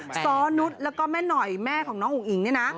ซ้อนุษย์แล้วก็แม่หน่อยแม่ของน้องอุ๋งอิ๋งเนี่ยนะ